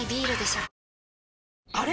あれ？